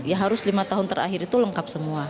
ya harus lima tahun terakhir itu lengkap semua